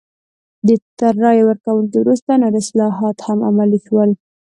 تر رایې ورکونې وروسته نور اصلاحات هم عملي شول.